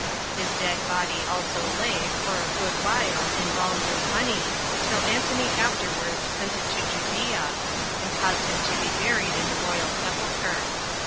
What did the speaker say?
His dead body also lay, for a good while, embalmed in honey, till Antony afterward sent it to Judea, and caused him to be buried in the royal sepulcher.